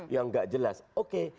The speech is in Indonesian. yang gak jelas oke